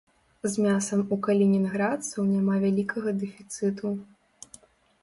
З мясам у калінінградцаў няма вялікага дэфіцыту.